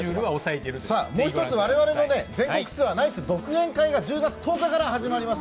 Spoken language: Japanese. もう一つ、我々の全国ツアー、ナイツ独演会が１０月１０日から始まります。